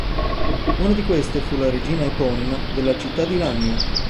Una di queste fu la regina eponima della città di Lamia.